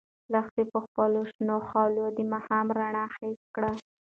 لښتې په خپلو شنو خالونو د ماښام رڼا حس کړه.